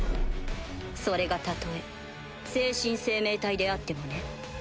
それがたとえ精神生命体であってもね。